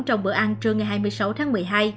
trong bữa ăn trưa ngày hai mươi sáu tháng một mươi hai